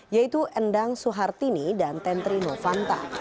yaitu endang suhartini dan tentri novanta